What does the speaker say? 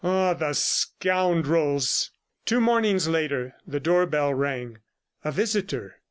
... Ah, the scoundrels! ... Two mornings later, the door bell rang. A visitor!